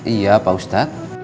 iya pak ustadz